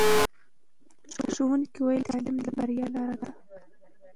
ښوونکي وویل چې تعلیم د بریا لاره ده.